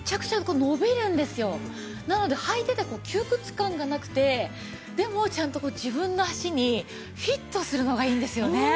なので履いてて窮屈感がなくてでもちゃんと自分の足にフィットするのがいいんですよね。